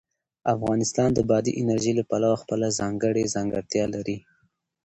افغانستان د بادي انرژي له پلوه خپله ځانګړې ځانګړتیا لري.